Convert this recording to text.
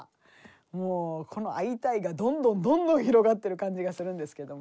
もうこの「アイタイ！」がどんどんどんどん広がってる感じがするんですけども。